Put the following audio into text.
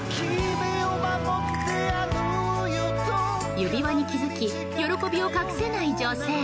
指輪に気づき喜びを隠せない女性。